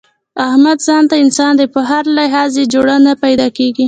احمد ځانته انسان دی، په هر لحاظ یې جوړه نه پیداکېږي.